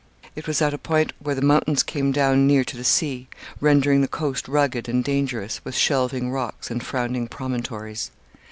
It was at a point where the mountains came down near to the sea, rendering the coast rugged and dangerous with shelving rocks and frowning promontories.